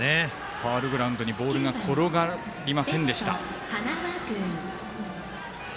ファウルグラウンドにボールが転がりませんでした。